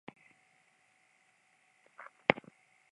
El nou d'octubre ma germana irà d'excursió.